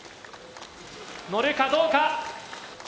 のるかどうか？